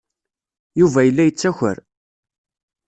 Yuba yella yettaker.